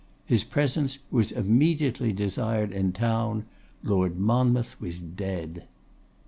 His presence was immediately desired in town: Lord Monmouth was dead.